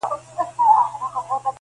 څوک په مال او دولت کله سړی کيږي,